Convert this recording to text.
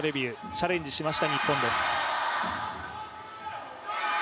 チャレンジしました、日本です。